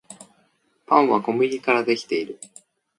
パンは小麦からできている